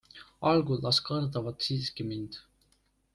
Algul las kardavad siiski mind.